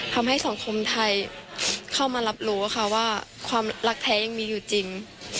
ทำให้สังคมไทยเข้ามารับรู้ค่ะว่าความรักแท้ยังมีอยู่จริง